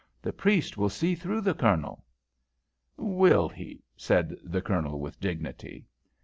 The priest will see through the Colonel." "Will he?" said the Colonel, with dignity.